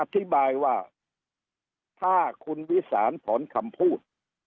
อธิบายว่าถ้าคุณวิสานถอนคำพูด